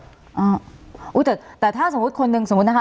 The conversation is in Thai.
ก็เยอะแยะไปครับอ่าอุ้ยแต่แต่ถ้าสมมุติคนหนึ่งสมมุตินะคะ